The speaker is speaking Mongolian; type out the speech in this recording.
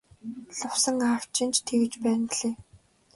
Лувсан аав чинь ч тэгж байна билээ.